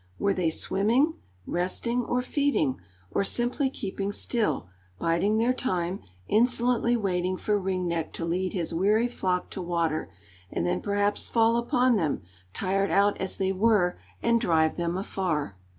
Were they swimming, resting, or feeding, or simply keeping still, biding their time, insolently waiting for Ring Neck to lead his weary flock to water, and then perhaps fall upon them, tired out as they were, and drive them afar?